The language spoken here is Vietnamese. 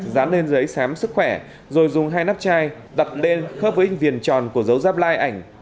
dán lên giấy sám sức khỏe rồi dùng hai nắp chai đặt lên khớp với ích viền tròn của dấu ráp like ảnh